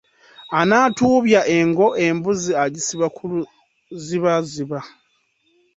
Anaatuubya engo, embuzi agisiba ku luzibaziba.